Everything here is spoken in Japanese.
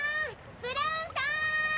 ブラウンさん！